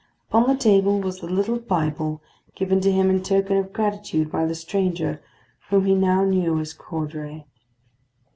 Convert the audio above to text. Upon the table was the little Bible given to him in token of gratitude by the stranger whom he now knew as Caudray.